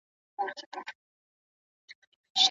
د دوی له خامیو څخه په ټولنه کې لوی مصیبتونه جوړ سول.